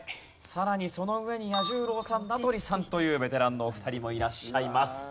さらにその上に彌十郎さん名取さんというベテランのお二人もいらっしゃいます。